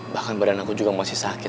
bahkan badan aku juga masih sakit